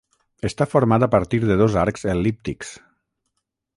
Està format a partir de dos arcs el·líptics.